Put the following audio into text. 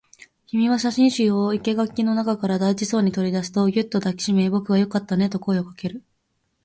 君は写真集を生垣の中から大事そうに取り出すと、ぎゅっと抱きしめ、僕はよかったねと声をかける